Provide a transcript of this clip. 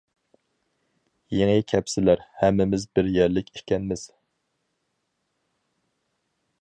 يېڭى كەپسىلەر ھەممىمىز بىر يەرلىك ئىكەنمىز.